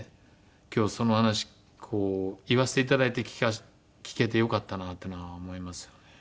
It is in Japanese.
今日その話こう言わせていただいて聞けてよかったなっていうのは思いますよね。